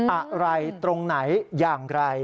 อะไรตรงไหนอย่างไร